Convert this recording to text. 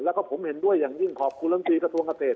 แล้วก็ผมเห็นด้วยอย่างยิ่งขอบคุณลำตีกระทรวงเกษตร